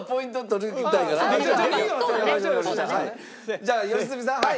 じゃあ良純さんはい！